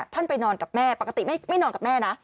ไปนอนกับแม่ปกติไม่นอนกับแม่นะ